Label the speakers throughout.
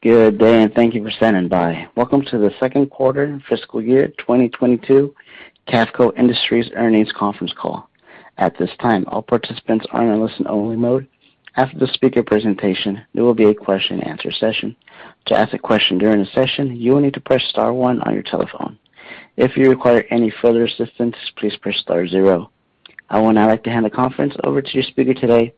Speaker 1: Good day, and thank you for standing by. Welcome to the Second Quarter Fiscal Year 2022 Cavco Industries Earnings Conference Call. At this time, all participants are in a listen only mode. After the speaker presentation, there will be a question and answer session. To ask a question during the session, you will need to press star one on your telephone. If you require any further assistance, please press star zero. I will now like to hand the conference over to your speaker today,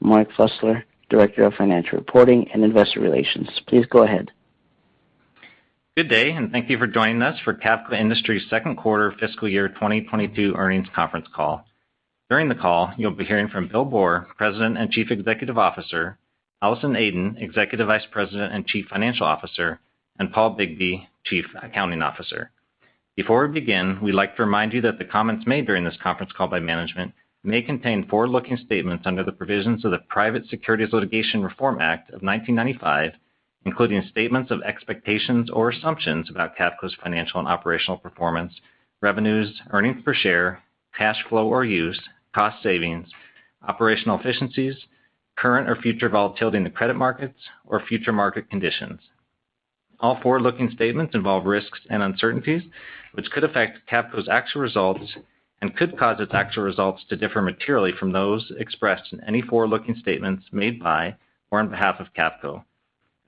Speaker 1: Mark Fusler, Director of Financial Reporting and Investor Relations. Please go ahead.
Speaker 2: Good day, and thank you for joining us for Cavco Industries Second Quarter Fiscal Year 2022 Earnings Conference Call. During the call, you'll be hearing from Bill Boor, President and Chief Executive Officer, Allison Aden, Executive Vice President and Chief Financial Officer, and Paul Bigbee, Chief Accounting Officer. Before we begin, we'd like to remind you that the comments made during this conference call by management may contain forward-looking statements under the provisions of the Private Securities Litigation Reform Act of 1995, including statements of expectations or assumptions about Cavco's financial and operational performance, revenues, earnings per share, cash flow or use, cost savings, operational efficiencies, current or future volatility in the credit markets or future market conditions. All forward-looking statements involve risks and uncertainties, which could affect Cavco's actual results and could cause its actual results to differ materially from those expressed in any forward-looking statements made by or on behalf of Cavco.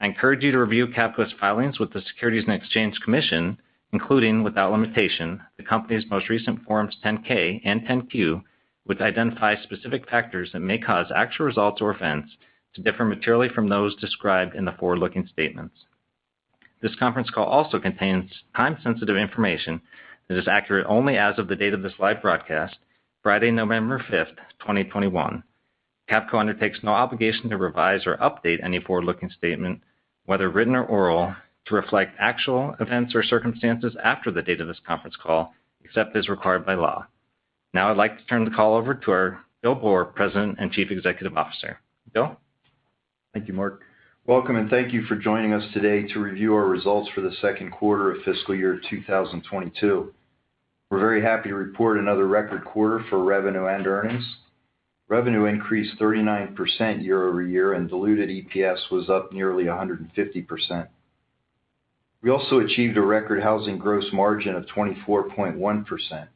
Speaker 2: I encourage you to review Cavco's filings with the Securities and Exchange Commission, including without limitation, the company's most recent Forms 10-K and 10-Q, which identify specific factors that may cause actual results or events to differ materially from those described in the forward-looking statements. This conference call also contains time-sensitive information that is accurate only as of the date of this live broadcast, Friday, November 5th, 2021. Cavco undertakes no obligation to revise or update any forward-looking statement, whether written or oral, to reflect actual events or circumstances after the date of this conference call, except as required by law. Now I'd like to turn the call over to our Bill Boor, President and Chief Executive Officer. Bill?
Speaker 3: Thank you, Mark. Welcome and thank you for joining us today to review our results for the second quarter of fiscal year 2022. We're very happy to report another record quarter for revenue and earnings. Revenue increased 39% year-over-year, and diluted EPS was up nearly 150%. We also achieved a record housing gross margin of 24.1%.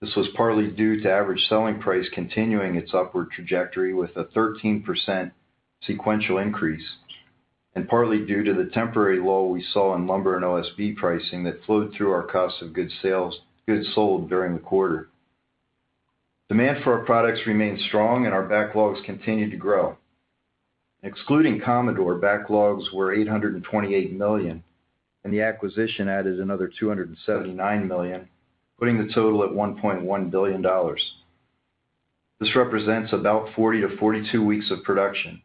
Speaker 3: This was partly due to average selling price continuing its upward trajectory with a 13% sequential increase, and partly due to the temporary lull we saw in lumber and OSB pricing that flowed through our cost of goods sold during the quarter. Demand for our products remained strong and our backlogs continued to grow. Excluding Commodore, backlogs were $828 million, and the acquisition added another $279 million, putting the total at $1.1 billion. This represents about 40-42 weeks of production.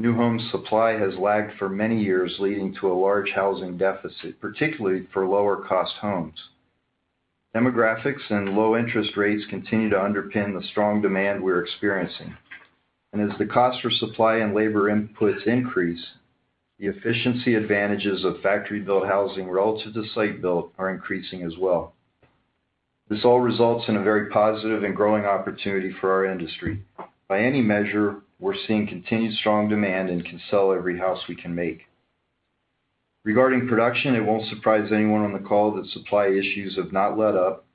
Speaker 3: New home supply has lagged for many years, leading to a large housing deficit, particularly for lower cost homes. Demographics and low interest rates continue to underpin the strong demand we're experiencing. As the cost for supply and labor inputs increase, the efficiency advantages of factory-built housing relative to site-built are increasing as well. This all results in a very positive and growing opportunity for our industry. By any measure, we're seeing continued strong demand and can sell every house we can make. Regarding production, it won't surprise anyone on the call that supply issues have not let up,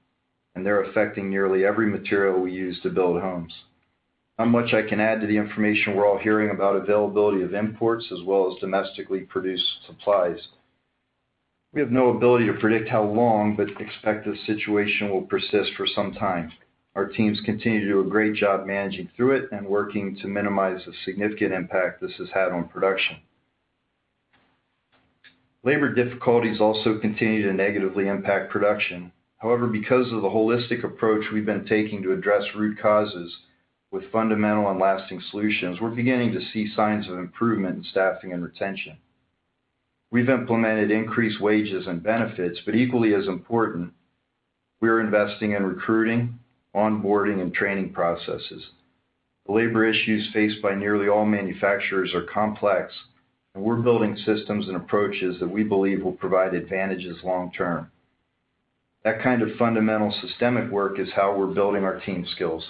Speaker 3: and they're affecting nearly every material we use to build homes. Not much I can add to the information we're all hearing about availability of imports as well as domestically produced supplies. We have no ability to predict how long, but expect the situation will persist for some time. Our teams continue to do a great job managing through it and working to minimize the significant impact this has had on production. Labor difficulties also continue to negatively impact production. However, because of the holistic approach we've been taking to address root causes with fundamental and lasting solutions, we're beginning to see signs of improvement in staffing and retention. We've implemented increased wages and benefits, but equally as important, we are investing in recruiting, onboarding, and training processes. The labor issues faced by nearly all manufacturers are complex, and we're building systems and approaches that we believe will provide advantages long term. That kind of fundamental systemic work is how we're building our team skills.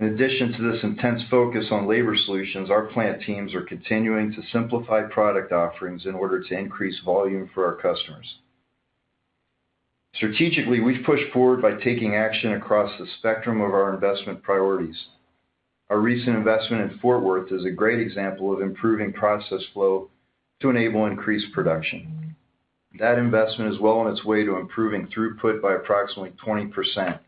Speaker 3: In addition to this intense focus on labor solutions, our plant teams are continuing to simplify product offerings in order to increase volume for our customers. Strategically, we've pushed forward by taking action across the spectrum of our investment priorities. Our recent investment in Fort Worth is a great example of improving process flow to enable increased production. That investment is well on its way to improving throughput by approximately 20%.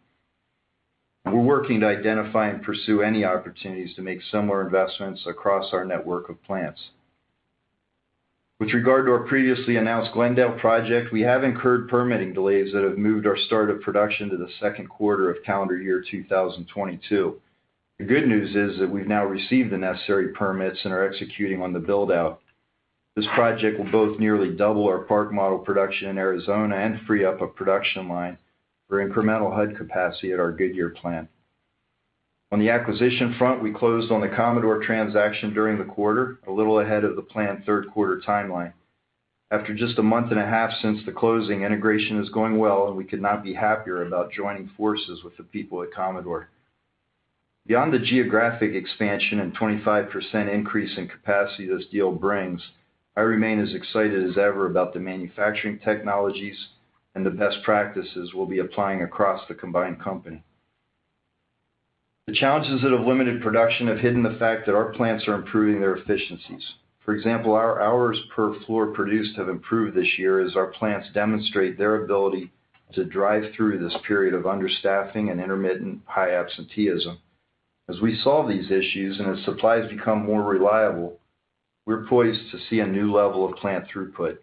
Speaker 3: We're working to identify and pursue any opportunities to make similar investments across our network of plants. With regard to our previously announced Glendale project, we have incurred permitting delays that have moved our start of production to the second quarter of calendar year 2022. The good news is that we've now received the necessary permits and are executing on the build-out. This project will both nearly double our park model production in Arizona and free up a production line for incremental HUD capacity at our Goodyear plant. On the acquisition front, we closed on the Commodore transaction during the quarter, a little ahead of the planned third quarter timeline. After just a month and a half since the closing, integration is going well, and we could not be happier about joining forces with the people at Commodore. Beyond the geographic expansion and 25% increase in capacity this deal brings, I remain as excited as ever about the manufacturing technologies and the best practices we'll be applying across the combined company. The challenges that have limited production have hidden the fact that our plants are improving their efficiencies. For example, our hours per floor produced have improved this year as our plants demonstrate their ability to drive through this period of understaffing and intermittent high absenteeism. As we solve these issues and as supplies become more reliable, we're poised to see a new level of plant throughput.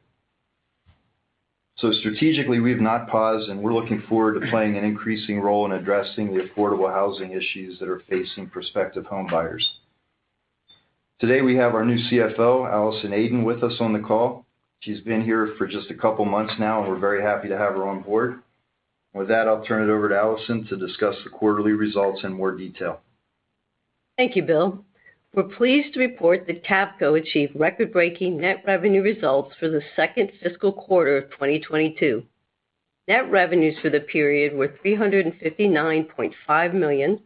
Speaker 3: Strategically, we've not paused, and we're looking forward to playing an increasing role in addressing the affordable housing issues that are facing prospective home buyers. Today, we have our new CFO, Allison Aden, with us on the call. She's been here for just a couple of months now, and we're very happy to have her on board. With that, I'll turn it over to Allison to discuss the quarterly results in more detail.
Speaker 4: Thank you, Bill. We're pleased to report that Cavco achieved record-breaking net revenue results for the second fiscal quarter of 2022. Net revenues for the period were $359.5 million,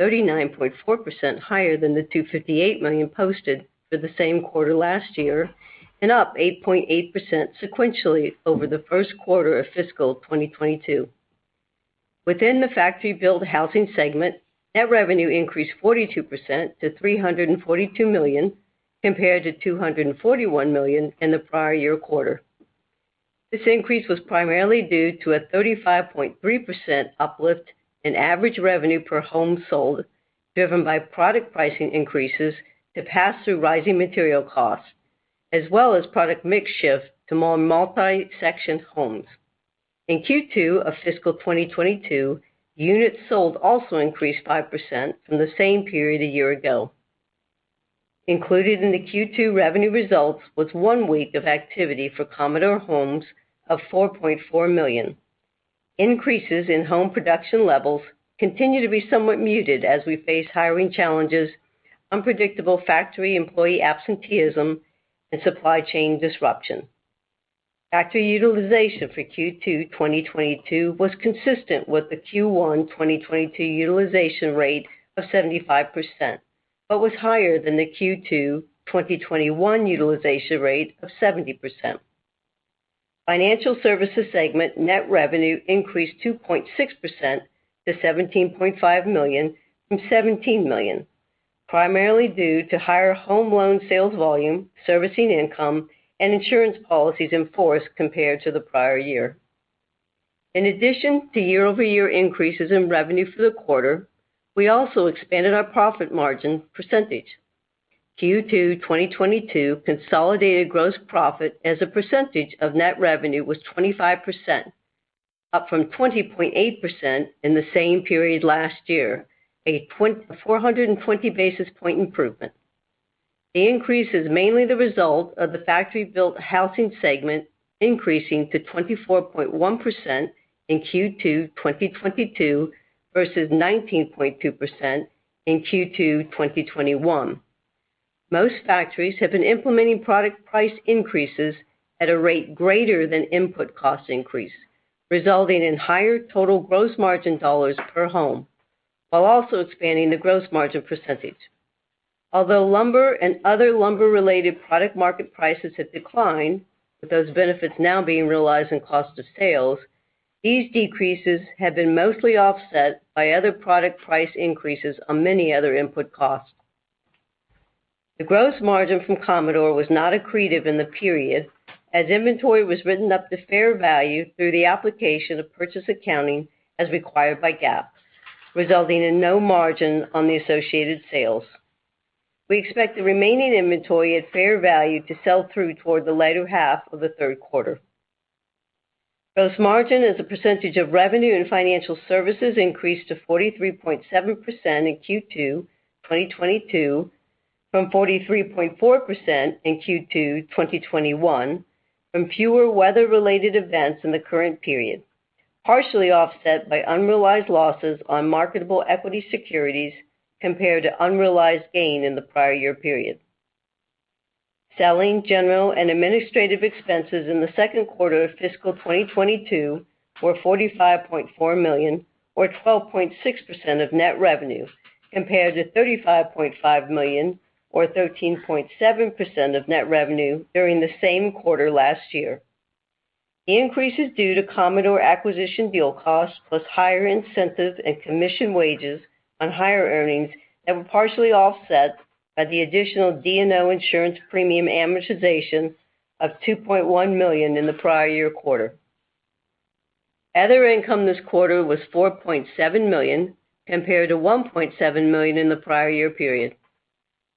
Speaker 4: 39.4% higher than the $258 million posted for the same quarter last year, and up 8.8% sequentially over the first quarter of fiscal 2022. Within the factory build housing segment, net revenue increased 42% to $342 million compared to $241 million in the prior year quarter. This increase was primarily due to a 35.3% uplift in average revenue per home sold, driven by product pricing increases to pass through rising material costs, as well as product mix shift to more multi-section homes. In Q2 of fiscal 2022, units sold also increased 5% from the same period a year ago. Included in the Q2 revenue results was one week of activity for Commodore Homes of $4.4 million. Increases in home production levels continue to be somewhat muted as we face hiring challenges, unpredictable factory employee absenteeism, and supply chain disruption. Factory utilization for Q2 2022 was consistent with the Q1 2022 utilization rate of 75%, but was higher than the Q2 2021 utilization rate of 70%. Financial services segment net revenue increased 2.6% to $17.5 million from $17 million, primarily due to higher home loan sales volume, servicing income, and insurance policies in force compared to the prior year. In addition to year-over-year increases in revenue for the quarter, we also expanded our profit margin percentage. Q2 2022 consolidated gross profit as a percentage of net revenue was 25%, up from 20.8% in the same period last year, a 420 basis point improvement. The increase is mainly the result of the factory built housing segment increasing to 24.1% in Q2 2022 versus 19.2% in Q2 2021. Most factories have been implementing product price increases at a rate greater than input cost increase, resulting in higher total gross margin dollars per home, while also expanding the gross margin percentage. Although lumber and other lumber-related product market prices have declined, with those benefits now being realized in cost of sales, these decreases have been mostly offset by other product price increases on many other input costs. The gross margin from Commodore was not accretive in the period as inventory was written up to fair value through the application of purchase accounting as required by GAAP, resulting in no margin on the associated sales. We expect the remaining inventory at fair value to sell through toward the latter half of the third quarter. Gross margin as a percentage of revenue and financial services increased to 43.7% in Q2 2022 from 43.4% in Q2 2021 from fewer weather-related events in the current period, partially offset by unrealized losses on marketable equity securities compared to unrealized gain in the prior year period. Selling, general, and administrative expenses in the second quarter of fiscal 2022 were $45.4 million or 12.6% of net revenue, compared to $35.5 million or 13.7% of net revenue during the same quarter last year. The increase is due to Commodore acquisition deal costs plus higher incentives and commission wages on higher earnings that were partially offset by the additional D&O insurance premium amortization of $2.1 million in the prior year quarter. Other income this quarter was $4.7 million, compared to $1.7 million in the prior year period.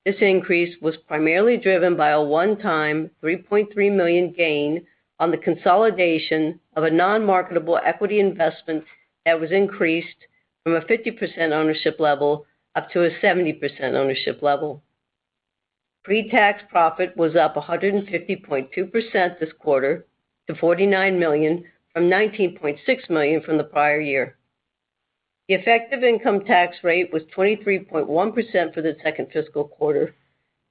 Speaker 4: This increase was primarily driven by a one-time $3.3 million gain on the consolidation of a non-marketable equity investment that was increased from a 50% ownership level up to a 70% ownership level. Pre-tax profit was up 150.2% this quarter to $49 million from $19.6 million from the prior year. The effective income tax rate was 23.1% for the second fiscal quarter,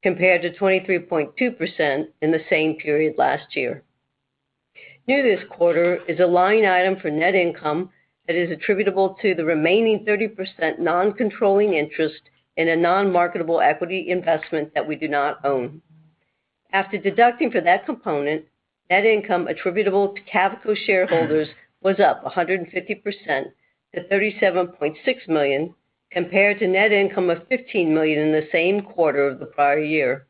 Speaker 4: compared to 23.2% in the same period last year. New this quarter is a line item for net income that is attributable to the remaining 30% non-controlling interest in a non-marketable equity investment that we do not own. After deducting for that component, net income attributable to Cavco shareholders was up 150% to $37.6 million, compared to net income of $15 million in the same quarter of the prior year.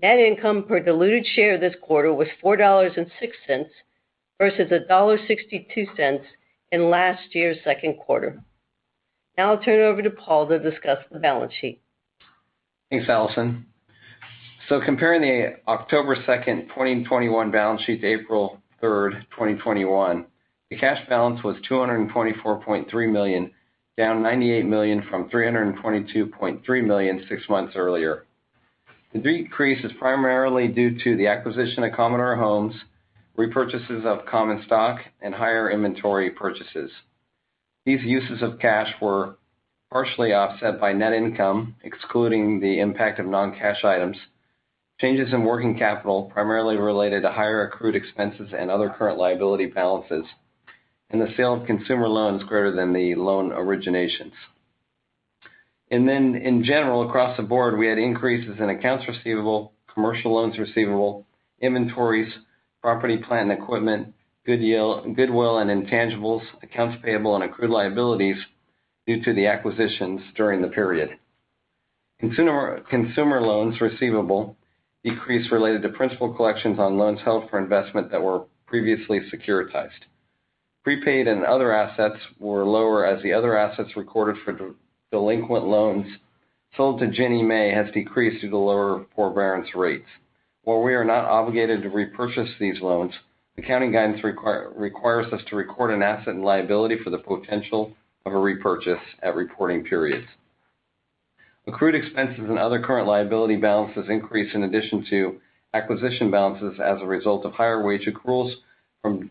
Speaker 4: Net income per diluted share this quarter was $4.06, versus $1.62 in last year's second quarter. Now I'll turn it over to Paul to discuss the balance sheet.
Speaker 5: Thanks, Allison. Comparing the October 2nd, 2021 balance sheet to April 3rd, 2021, the cash balance was $224.3 million, down $98 million from $322.3 million six months earlier. The decrease is primarily due to the acquisition of Commodore Homes, repurchases of common stock, and higher inventory purchases. These uses of cash were partially offset by net income, excluding the impact of non-cash items, changes in working capital, primarily related to higher accrued expenses and other current liability balances, and the sale of consumer loans greater than the loan originations. In general, across the board, we had increases in accounts receivable, commercial loans receivable, inventories, property, plant, and equipment, goodwill and intangibles, accounts payable, and accrued liabilities due to the acquisitions during the period. Consumer loans receivable decreased related to principal collections on loans held for investment that were previously securitized. Prepaid and other assets were lower, as the other assets recorded for delinquent loans sold to Ginnie Mae has decreased due to lower forbearance rates. While we are not obligated to repurchase these loans, accounting guidance requires us to record an asset and liability for the potential of a repurchase at reporting periods. Accrued expenses and other current liability balances increased in addition to acquisition balances as a result of higher wage accruals from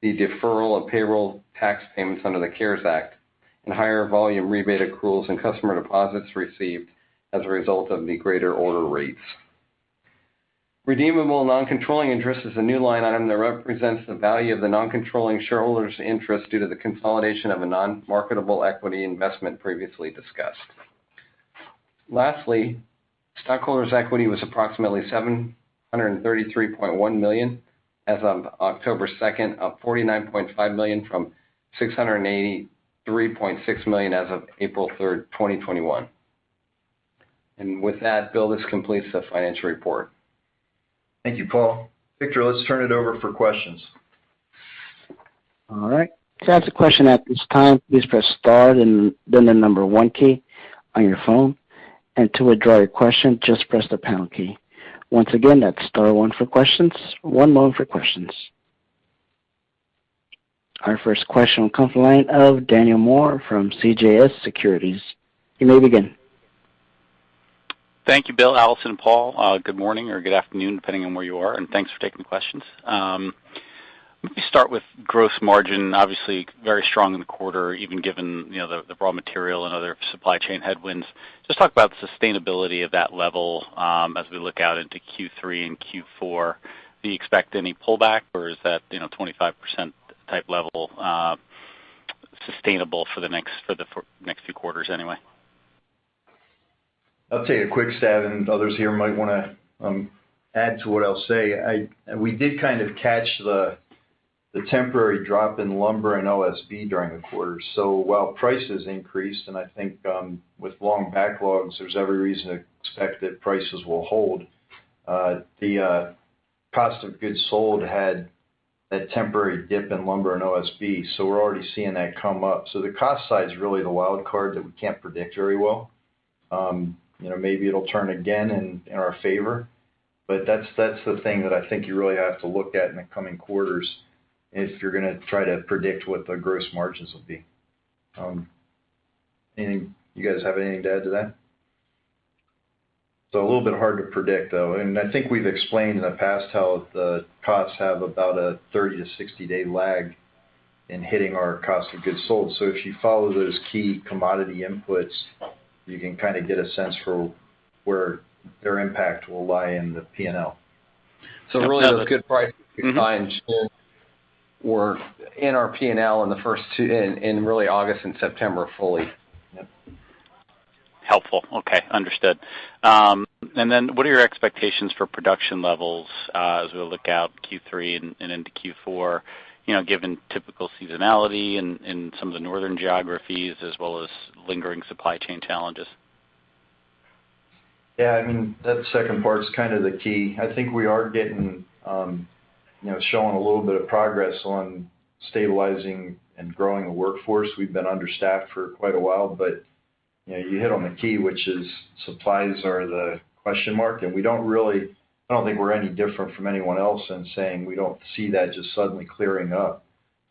Speaker 5: the deferral of payroll tax payments under the CARES Act and higher volume rebate accruals and customer deposits received as a result of the greater order rates. Redeemable non-controlling interest is a new line item that represents the value of the non-controlling shareholder's interest due to the consolidation of a non-marketable equity investment previously discussed. Lastly, stockholders' equity was approximately $733.1 million as of October 2nd, up $49.5 million from $683.6 million as of April 3rd, 2021. With that, Bill, this completes the financial report.
Speaker 3: Thank you, Paul. Victor, let's turn it over for questions.
Speaker 1: All right. To ask a question at this time, please press star, then the number one key on your phone. To withdraw your question, just press the pound key. Once again, that's star one for questions. One moment for questions. Our first question will come from the line of Daniel Moore from CJS Securities. You may begin.
Speaker 6: Thank you, Bill, Allison, and Paul. Good morning or good afternoon, depending on where you are, and thanks for taking questions. Let me start with gross margin. Obviously, very strong in the quarter, even given, you know, the raw material and other supply chain headwinds. Just talk about the sustainability of that level, as we look out into Q3 and Q4. Do you expect any pullback, or is that, you know, 25% type level, sustainable for the next few quarters, anyway?
Speaker 3: I'll take a quick stab, and others here might wanna add to what I'll say. We did kind of catch the temporary drop in lumber and OSB during the quarter. While prices increased, and I think with long backlogs, there's every reason to expect that prices will hold, the cost of goods sold had a temporary dip in lumber and OSB, so we're already seeing that come up. The cost side is really the wild card that we can't predict very well. You know, maybe it'll turn again in our favor. But that's the thing that I think you really have to look at in the coming quarters if you're gonna try to predict what the gross margins will be. You guys have anything to add to that? It's a little bit hard to predict, though. I think we've explained in the past how the costs have about a 30-60-day lag in hitting our cost of goods sold. If you follow those key commodity inputs, you can kind of get a sense for where their impact will lie in the P&L.
Speaker 5: Really those good prices we find were in our P&L in the first two. In really August and September fully.
Speaker 3: Yep.
Speaker 6: Helpful. Okay, understood. What are your expectations for production levels as we look out Q3 and into Q4, you know, given typical seasonality in some of the northern geographies as well as lingering supply chain challenges?
Speaker 3: Yeah, I mean, that second part's kind of the key. I think we are getting, you know, showing a little bit of progress on stabilizing and growing the workforce. We've been understaffed for quite a while, but, you know, you hit on the key, which is supplies are the question mark. I don't think we're any different from anyone else in saying we don't see that just suddenly clearing up.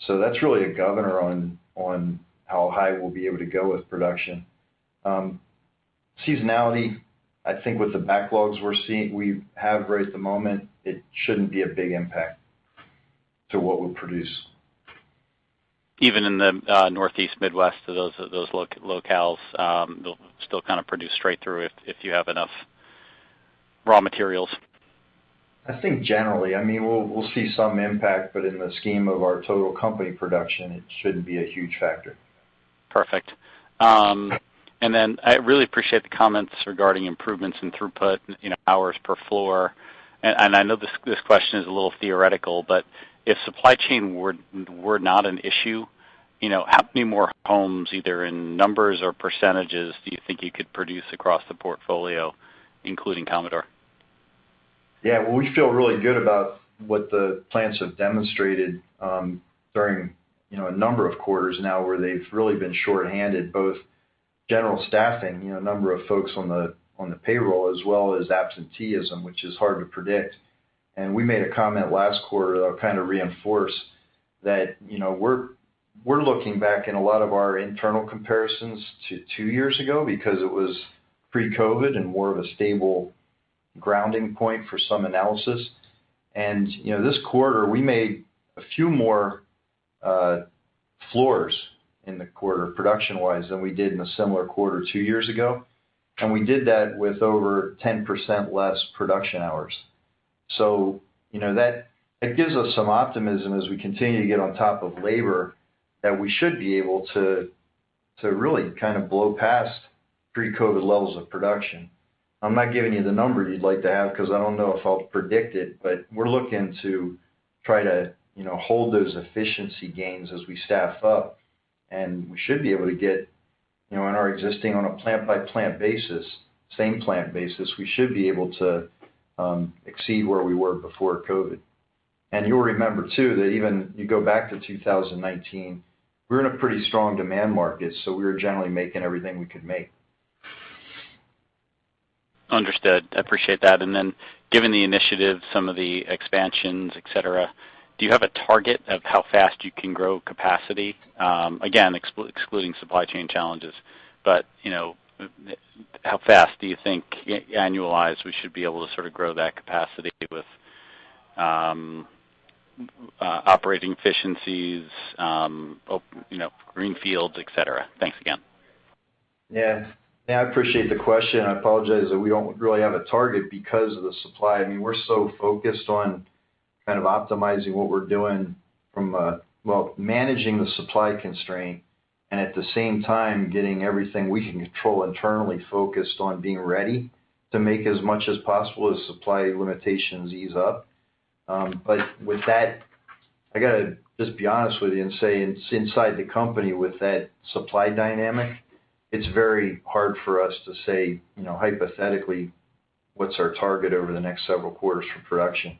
Speaker 3: That's really a governor on how high we'll be able to go with production. Seasonality, I think with the backlogs we have right at the moment, it shouldn't be a big impact to what we produce.
Speaker 6: Even in the Northeast, Midwest, those locales, they'll still kind of produce straight through if you have enough raw materials.
Speaker 3: I think generally. I mean, we'll see some impact, but in the scheme of our total company production, it shouldn't be a huge factor.
Speaker 6: Perfect. I really appreciate the comments regarding improvements in throughput, you know, hours per floor. I know this question is a little theoretical, but if supply chain were not an issue, you know, how many more homes, either in numbers or percentages, do you think you could produce across the portfolio, including Commodore?
Speaker 3: Yeah. Well, we feel really good about what the plants have demonstrated during, you know, a number of quarters now where they've really been shorthanded, both general staffing, you know, number of folks on the payroll, as well as absenteeism, which is hard to predict. We made a comment last quarter that I'll kind of reinforce that, you know, we're looking back in a lot of our internal comparisons to two years ago because it was pre-COVID and more of a stable grounding point for some analysis. You know, this quarter, we made a few more floors in the quarter production-wise than we did in a similar quarter two years ago. We did that with over 10% less production hours. You know, that it gives us some optimism as we continue to get on top of labor that we should be able to to really kind of blow past pre-COVID levels of production. I'm not giving you the number you'd like to have because I don't know if I'll predict it, but we're looking to try to, you know, hold those efficiency gains as we staff up, and we should be able to get, you know, in our existing on a plant-by-plant basis, same plant basis, we should be able to exceed where we were before COVID. You'll remember too that even if you go back to 2019, we were in a pretty strong demand market, so we were generally making everything we could make.
Speaker 6: Understood. I appreciate that. Given the initiatives, some of the expansions, et cetera, do you have a target of how fast you can grow capacity? Again, excluding supply chain challenges, but, you know, how fast do you think, annualized, we should be able to sort of grow that capacity with, operating efficiencies, you know, greenfields, et cetera? Thanks again.
Speaker 3: Yeah. Yeah, I appreciate the question. I apologize that we don't really have a target because of the supply. I mean, we're so focused on kind of optimizing what we're doing. Well, managing the supply constraint, and at the same time, getting everything we can control internally focused on being ready to make as much as possible as supply limitations ease up. With that, I got to just be honest with you and say it's inside the company with that supply dynamic. It's very hard for us to say, you know, hypothetically, what's our target over the next several quarters for production.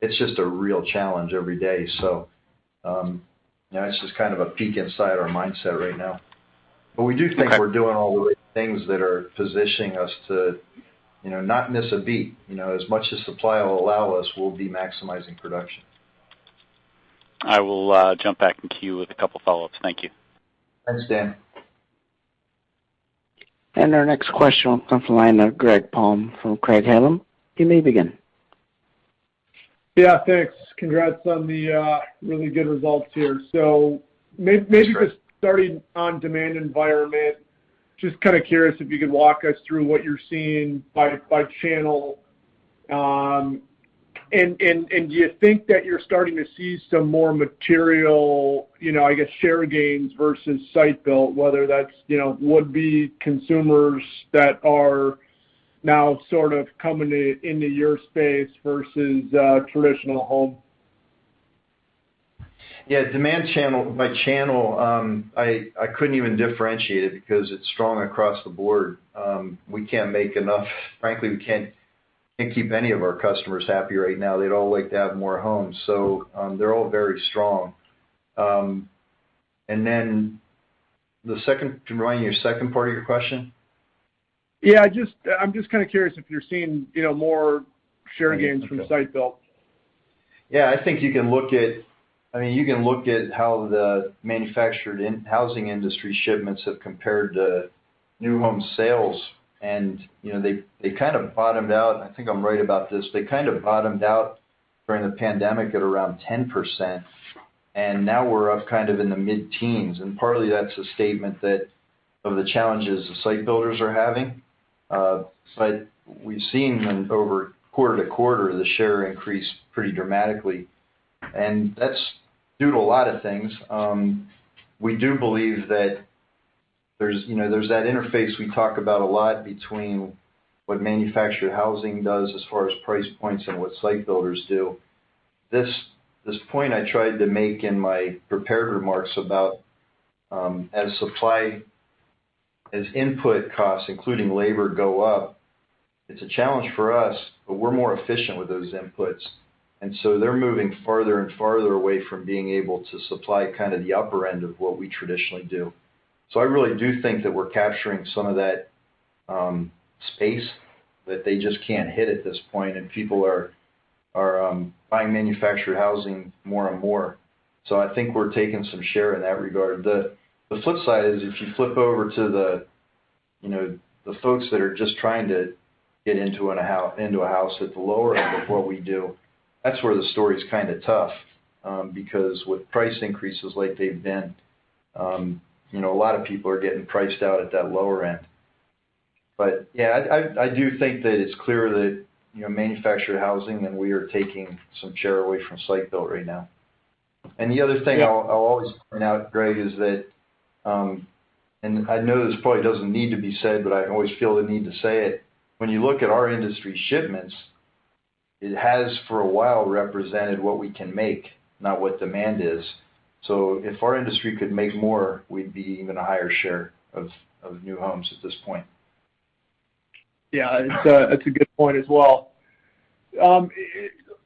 Speaker 3: It's just a real challenge every day. You know, this is kind of a peek inside our mindset right now. We do think we're doing all the right things that are positioning us to, you know, not miss a beat. You know, as much as supply will allow us, we'll be maximizing production.
Speaker 6: I will jump back into queue with a couple follow-ups. Thank you.
Speaker 3: Thanks, Dan.
Speaker 1: Our next question comes from the line of Greg Palm from Craig-Hallum. You may begin.
Speaker 7: Yeah, thanks. Congrats on the really good results here. May-
Speaker 3: Sure.
Speaker 7: Maybe just starting on demand environment, just kind of curious if you could walk us through what you're seeing by channel. And do you think that you're starting to see some more material, you know, I guess, share gains versus site built, whether that's, you know, would-be consumers that are now sort of coming into your space versus traditional home?
Speaker 3: Yeah. Demand channel by channel, I couldn't even differentiate it because it's strong across the board. We can't make enough. Frankly, we can't keep any of our customers happy right now. They'd all like to have more homes. They're all very strong. Remind me of the second part of your question.
Speaker 7: I'm just kind of curious if you're seeing, you know, more share gains from site built?
Speaker 3: Yeah. I mean, you can look at how the manufactured housing industry shipments have compared to new home sales. You know, they kind of bottomed out. I think I'm right about this. They kind of bottomed out during the pandemic at around 10%, and now we're up kind of in the mid-teens. Partly that's a statement of the challenges the site builders are having. But we've seen over quarter-over-quarter, the share increase pretty dramatically. That's due to a lot of things. We do believe that there's, you know, that interface we talk about a lot between what manufactured housing does as far as price points and what site builders do. This point I tried to make in my prepared remarks about as input costs, including labor, go up, it's a challenge for us, but we're more efficient with those inputs. They're moving farther and farther away from being able to supply kind of the upper end of what we traditionally do. I really do think that we're capturing some of that space that they just can't hit at this point, and people are buying manufactured housing more and more. I think we're taking some share in that regard. The flip side is if you flip over to the, you know, the folks that are just trying to get into a house at the lower end of what we do, that's where the story's kinda tough, because with price increases like they've been, you know, a lot of people are getting priced out at that lower end. Yeah, I do think that it's clear that, you know, manufactured housing and we are taking some share away from site-built right now. The other thing
Speaker 7: Yeah.
Speaker 3: I'll always point out, Greg, that, and I know this probably doesn't need to be said, but I always feel the need to say it. When you look at our industry shipments, it has for a while represented what we can make, not what demand is. If our industry could make more, we'd be even a higher share of new homes at this point.
Speaker 7: Yeah. It's a good point as well.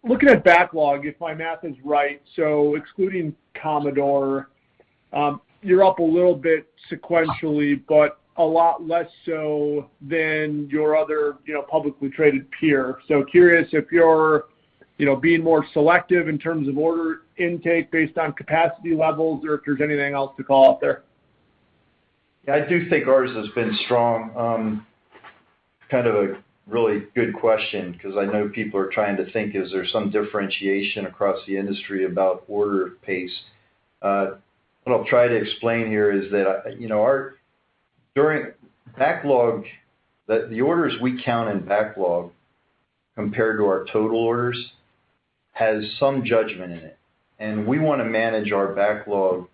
Speaker 7: Looking at backlog, if my math is right, excluding Commodore, you're up a little bit sequentially, but a lot less so than your other, you know, publicly traded peer. Curious if you're, you know, being more selective in terms of order intake based on capacity levels or if there's anything else to call out there.
Speaker 3: Yeah, I do think ours has been strong. Kind of a really good question 'cause I know people are trying to think, is there some differentiation across the industry about order pace? What I'll try to explain here is that, you know, during backlog, the orders we count in backlog compared to our total orders has some judgment in it, and we wanna manage our backlog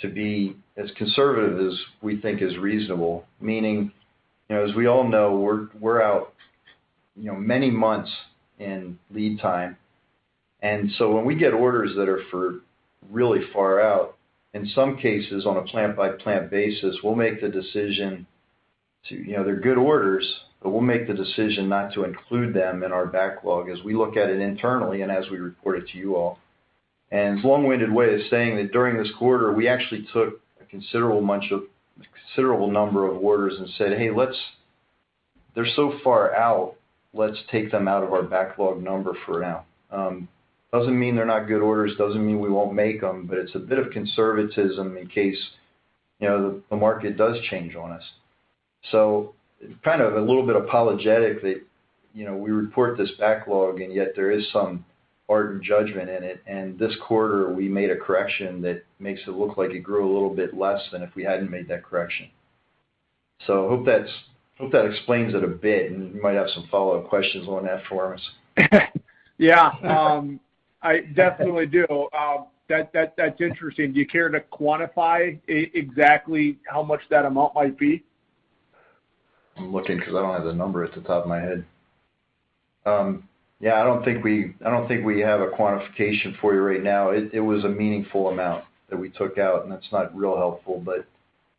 Speaker 3: to be as conservative as we think is reasonable, meaning, you know, as we all know, we're out, you know, many months in lead time. When we get orders that are for really far out, in some cases, on a plant-by-plant basis, we'll make the decision to, you know, they're good orders, but we'll make the decision not to include them in our backlog as we look at it internally and as we report it to you all. It's a long-winded way of saying that during this quarter, we actually took a considerable number of orders and said, "Hey, they're so far out, let's take them out of our backlog number for now." Doesn't mean they're not good orders, doesn't mean we won't make them, but it's a bit of conservatism in case, you know, the market does change on us. Kind of a little bit apologetic that, you know, we report this backlog, and yet there is some art and judgment in it. This quarter, we made a correction that makes it look like it grew a little bit less than if we hadn't made that correction. Hope that explains it a bit, and you might have some follow-up questions on that for us.
Speaker 7: Yeah. I definitely do. That's interesting. Do you care to quantify exactly how much that amount might be?
Speaker 3: I'm looking 'cause I don't have the number off the top of my head. Yeah, I don't think we have a quantification for you right now. It was a meaningful amount that we took out, and that's not real helpful.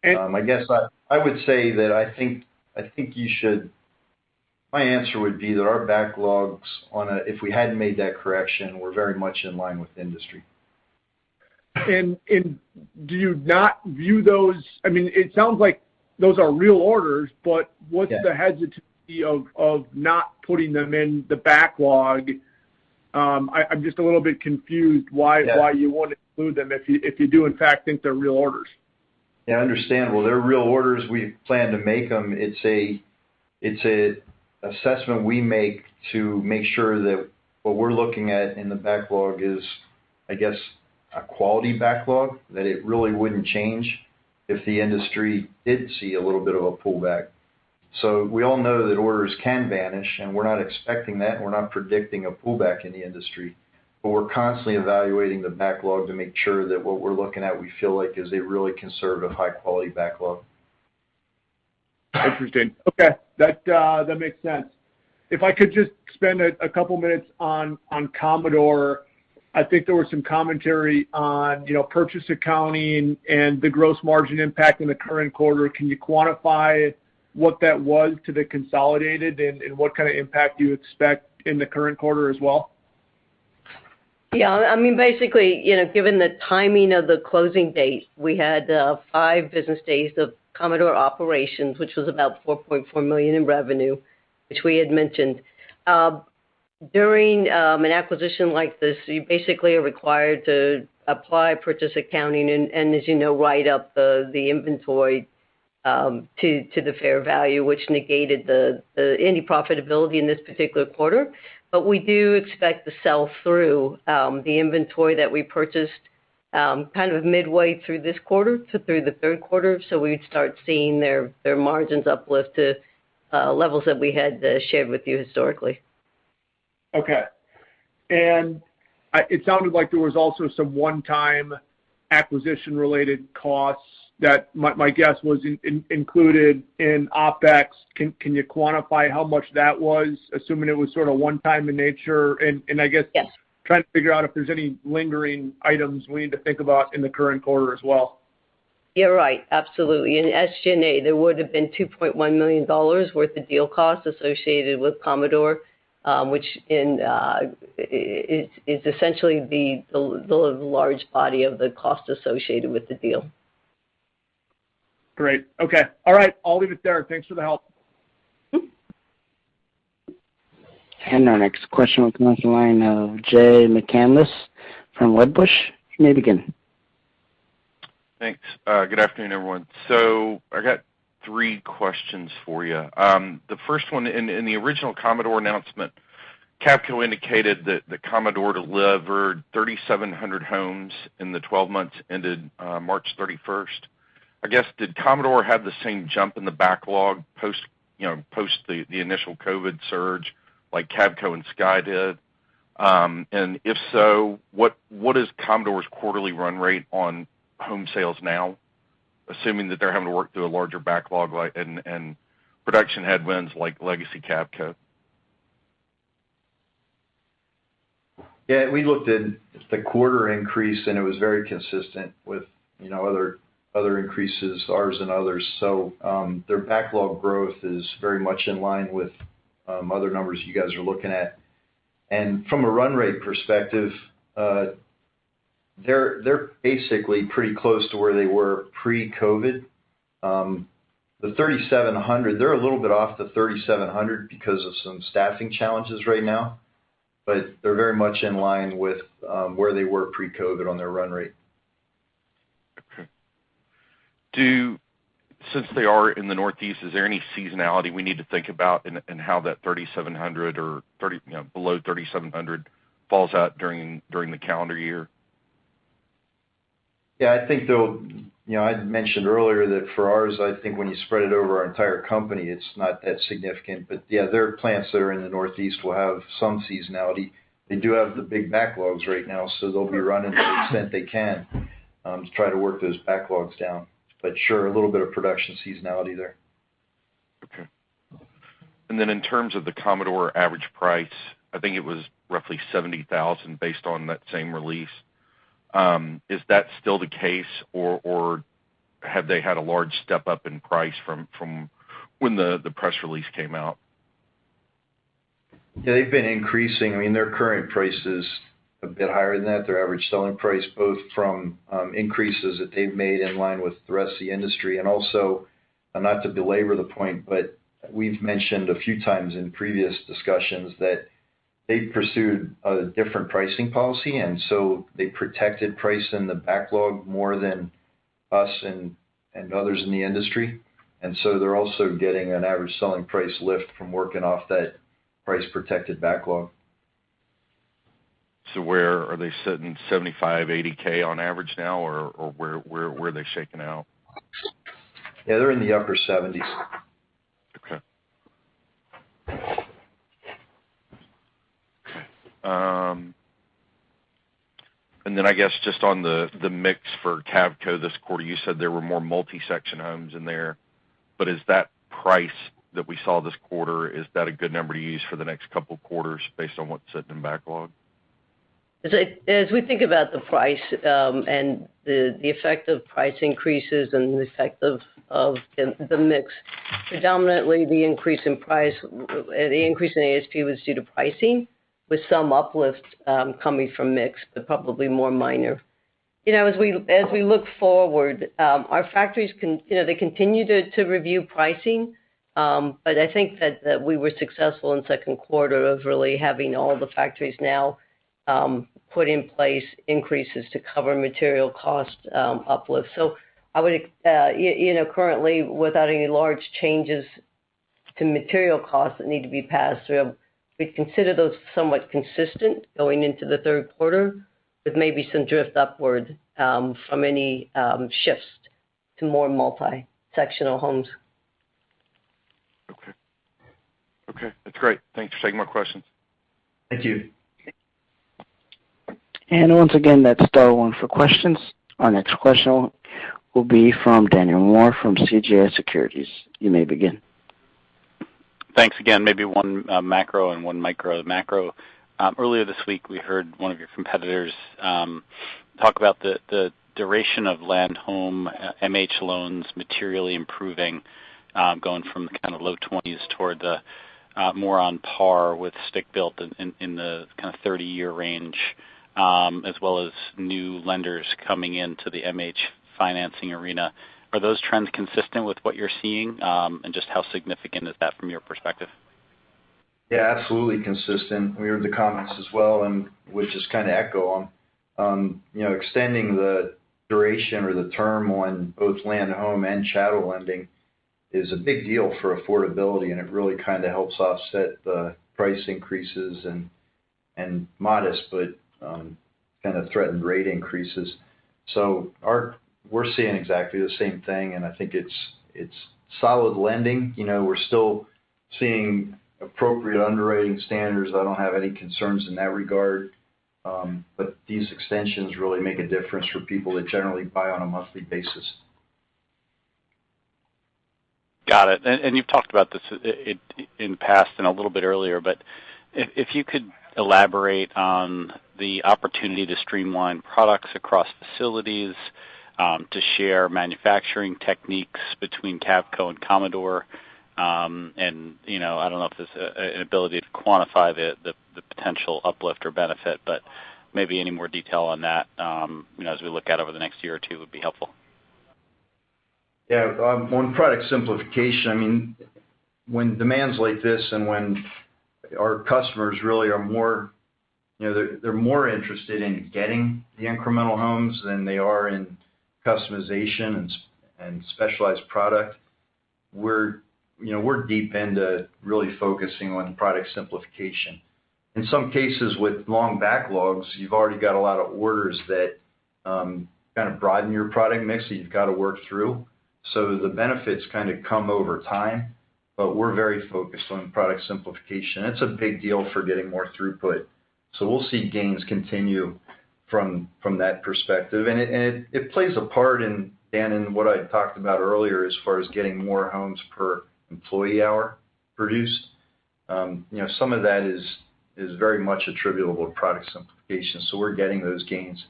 Speaker 7: And-
Speaker 3: I guess I would say that I think my answer would be that our backlogs on a, if we hadn't made that correction, were very much in line with industry.
Speaker 7: Do you not view those? I mean, it sounds like those are real orders, but-
Speaker 3: Yeah.
Speaker 7: What's the hesitancy of not putting them in the backlog? I'm just a little bit confused why-
Speaker 3: Yeah.
Speaker 7: Why you wanna exclude them if you do in fact think they're real orders.
Speaker 3: Yeah, understandable. They're real orders. We plan to make them. It's an assessment we make to make sure that what we're looking at in the backlog is, I guess, a quality backlog, that it really wouldn't change if the industry did see a little bit of a pullback. We all know that orders can vanish, and we're not expecting that. We're not predicting a pullback in the industry. We're constantly evaluating the backlog to make sure that what we're looking at we feel like is a really conservative, high-quality backlog.
Speaker 7: Interesting. Okay. That makes sense. If I could just spend a couple minutes on Commodore. I think there was some commentary on, you know, purchase accounting and the gross margin impact in the current quarter. Can you quantify what that was to the consolidated and what kind of impact do you expect in the current quarter as well?
Speaker 4: Yeah. I mean, basically, you know, given the timing of the closing date, we had five business days of Commodore operations, which was about $4.4 million in revenue, which we had mentioned. During an acquisition like this, you basically are required to apply purchase accounting and as you know, write up the inventory to the fair value, which negated any profitability in this particular quarter. But we do expect to sell through the inventory that we purchased kind of midway through this quarter to through the third quarter. We'd start seeing their margins uplift to levels that we had shared with you historically.
Speaker 7: Okay. It sounded like there was also some one-time acquisition-related costs that my guess was included in OpEx. Can you quantify how much that was, assuming it was sort of one-time in nature? I guess-
Speaker 4: Yes.
Speaker 7: Trying to figure out if there's any lingering items we need to think about in the current quarter as well.
Speaker 4: You're right. Absolutely. In SG&A, there would have been $2.1 million worth of deal costs associated with Commodore, which is essentially the large body of the cost associated with the deal.
Speaker 7: Great. Okay. All right. I'll leave it there. Thanks for the help.
Speaker 1: Our next question will come from the line of Jay McCanless from Wedbush. You may begin.
Speaker 8: Thanks. Good afternoon, everyone. I got three questions for you. The first one, in the original Commodore announcement, Cavco indicated that Commodore delivered 3,700 homes in the 12 months ended March 31st. I guess, did Commodore have the same jump in the backlog post, you know, post the initial COVID surge like Cavco and Sky did? And if so, what is Commodore's quarterly run rate on home sales now, assuming that they're having to work through a larger backlog like and production headwinds like legacy Cavco?
Speaker 3: Yeah, we looked at the quarter increase, and it was very consistent with, you know, other increases, ours and others. Their backlog growth is very much in line with other numbers you guys are looking at. From a run rate perspective, they're basically pretty close to where they were pre-COVID. The 3,700, they're a little bit off the 3,700 because of some staffing challenges right now, but they're very much in line with where they were pre-COVID on their run rate.
Speaker 8: Okay. Since they are in the Northeast, is there any seasonality we need to think about in how that 3,700 or 30, you know, below 3,700 falls out during the calendar year?
Speaker 3: Yeah, I think they'll, you know, I'd mentioned earlier that for ours, I think when you spread it over our entire company, it's not that significant. Yeah, there are plants that are in the Northeast will have some seasonality. They do have the big backlogs right now, so they'll be running to the extent they can, to try to work those backlogs down. Sure, a little bit of production seasonality there.
Speaker 8: Okay. In terms of the Commodore average price, I think it was roughly $70,000 based on that same release. Is that still the case or have they had a large step-up in price from when the press release came out?
Speaker 3: Yeah, they've been increasing. I mean, their current price is a bit higher than that, their average selling price, both from increases that they've made in line with the rest of the industry and also, not to belabor the point, but we've mentioned a few times in previous discussions that they pursued a different pricing policy. They protected price in the backlog more than us and others in the industry. They're also getting an average selling price lift from working off that price-protected backlog.
Speaker 8: Where are they sitting, $75,000, $80,000 on average now? Or, where are they shaking out?
Speaker 3: Yeah, they're in the upper 70s.
Speaker 8: Okay. I guess just on the mix for Cavco this quarter, you said there were more multi-section homes in there, but is that price that we saw this quarter a good number to use for the next couple quarters based on what's sitting in backlog?
Speaker 4: As we think about the price and the effect of price increases and the effect of the mix, predominantly the increase in price, the increase in ASP was due to pricing with some uplifts coming from mix, but probably more minor. You know, as we look forward, our factories you know, they continue to review pricing. But I think that we were successful in second quarter of really having all the factories now put in place increases to cover material cost uplifts. I would you know, currently, without any large changes to material costs that need to be passed through, we'd consider those somewhat consistent going into the third quarter with maybe some drift upwards from any shifts to more multi-sectional homes.
Speaker 8: Okay. That's great. Thanks for taking my questions.
Speaker 3: Thank you.
Speaker 1: Once again, that's star one for questions. Our next question will be from Daniel Moore from CJS Securities. You may begin.
Speaker 6: Thanks again. Maybe one macro and one micro. The macro, earlier this week, we heard one of your competitors talk about the duration of land-home MH loans materially improving, going from kind of low 20s toward the more on par with stick-built in the kind of 30-year range, as well as new lenders coming into the MH financing arena. Are those trends consistent with what you're seeing? Just how significant is that from your perspective?
Speaker 3: Yeah, absolutely consistent. We heard the comments as well, and would just kind of echo on, you know, extending the duration or the term on both land, home, and chattel lending is a big deal for affordability, and it really kind of helps offset the price increases and modest, but kind of threatened rate increases. So we're seeing exactly the same thing, and I think it's solid lending. You know, we're still seeing appropriate underwriting standards. I don't have any concerns in that regard. But these extensions really make a difference for people that generally buy on a monthly basis.
Speaker 6: Got it. You've talked about this in the past and a little bit earlier, but if you could elaborate on the opportunity to streamline products across facilities to share manufacturing techniques between Cavco and Commodore. You know, I don't know if there's an ability to quantify the potential uplift or benefit, but maybe any more detail on that, you know, as we look out over the next year or two would be helpful.
Speaker 3: Yeah. On product simplification, I mean, when demand's like this and when our customers really are more, you know, they're more interested in getting the incremental homes than they are in customization and specialized product, we're, you know, we're deep into really focusing on product simplification. In some cases with long backlogs, you've already got a lot of orders that kind of broaden your product mix that you've got to work through. The benefits kind of come over time, but we're very focused on product simplification. It's a big deal for getting more throughput. We'll see gains continue from that perspective. It plays a part in, Dan, in what I talked about earlier, as far as getting more homes per employee hour produced. You know, some of that is very much attributable to product simplification, so we're getting those gains.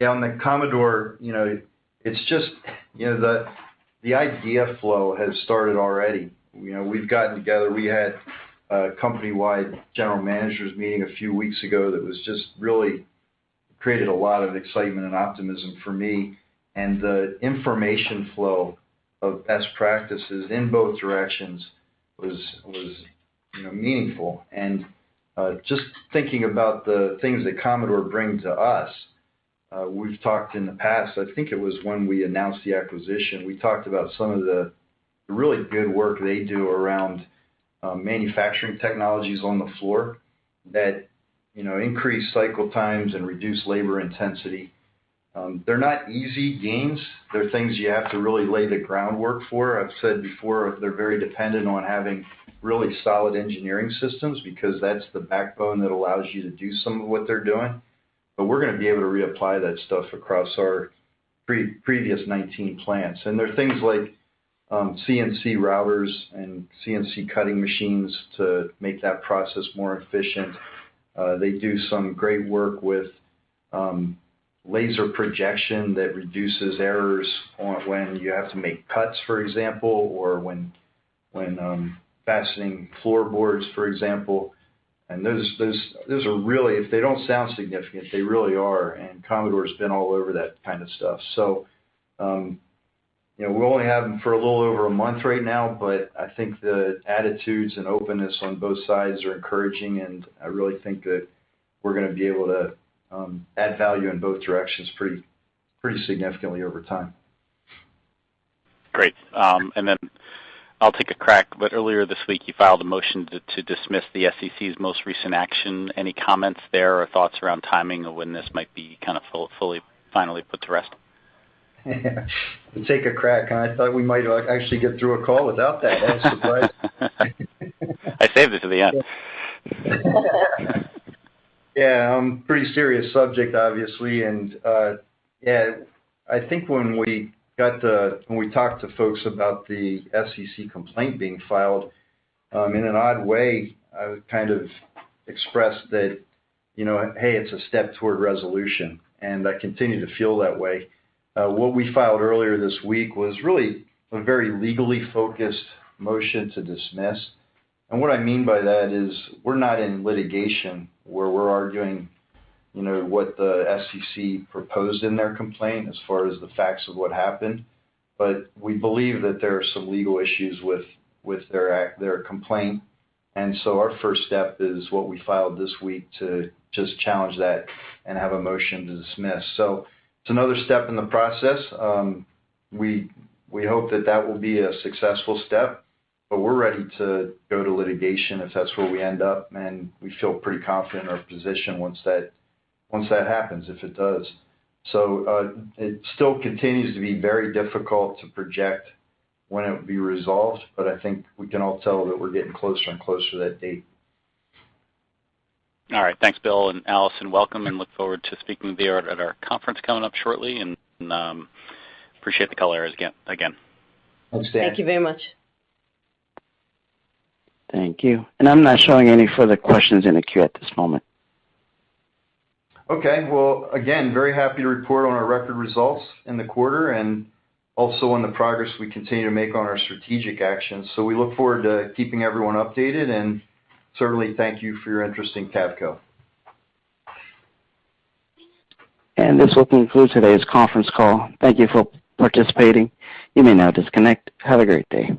Speaker 3: Now on the Commodore, you know, it's just you know, the idea flow has started already. You know, we've gotten together. We had a company-wide general managers meeting a few weeks ago that was just really created a lot of excitement and optimism for me. The information flow of best practices in both directions was you know, meaningful. Just thinking about the things that Commodore brings to us, we've talked in the past, I think it was when we announced the acquisition, we talked about some of the really good work they do around manufacturing technologies on the floor that you know, increase cycle times and reduce labor intensity. They're not easy gains. They're things you have to really lay the groundwork for. I've said before, they're very dependent on having really solid engineering systems because that's the backbone that allows you to do some of what they're doing. We're gonna be able to reapply that stuff across our previous 19 plants. They're things like CNC routers and CNC cutting machines to make that process more efficient. They do some great work with laser projection that reduces errors on when you have to make cuts, for example, or when fastening floorboards, for example. Those are really. If they don't sound significant, they really are, and Commodore's been all over that kind of stuff. You know, we only have them for a little over a month right now, but I think the attitudes and openness on both sides are encouraging, and I really think that we're gonna be able to add value in both directions pretty significantly over time.
Speaker 6: Great. I'll take a crack, but earlier this week, you filed a motion to dismiss the SEC's most recent action. Any comments there or thoughts around timing of when this might be kind of fully, finally put to rest?
Speaker 3: To take a crack. I thought we might actually get through a call without that. I'm surprised.
Speaker 6: I saved it to the end.
Speaker 3: Yeah. Pretty serious subject, obviously. Yeah, I think when we talked to folks about the SEC complaint being filed, in an odd way, I kind of expressed that, you know, hey, it's a step toward resolution, and I continue to feel that way. What we filed earlier this week was really a very legally focused motion to dismiss. What I mean by that is we're not in litigation where we're arguing, you know, what the SEC proposed in their complaint as far as the facts of what happened. We believe that there are some legal issues with their act, their complaint. Our first step is what we filed this week to just challenge that and have a motion to dismiss. It's another step in the process. We hope that that will be a successful step, but we're ready to go to litigation if that's where we end up, and we feel pretty confident in our position once that happens, if it does. It still continues to be very difficult to project when it would be resolved, but I think we can all tell that we're getting closer and closer to that date.
Speaker 6: All right. Thanks, Bill. Allison, welcome and look forward to speaking to you at our conference coming up shortly, and appreciate the color and again.
Speaker 3: Thanks, Dan.
Speaker 6: Thank you very much.
Speaker 1: Thank you. I'm not showing any further questions in the queue at this moment.
Speaker 3: Okay. Well, again, very happy to report on our record results in the quarter and also on the progress we continue to make on our strategic actions. We look forward to keeping everyone updated, and certainly thank you for your interest in Cavco.
Speaker 1: This will conclude today's conference call. Thank you for participating. You may now disconnect. Have a great day.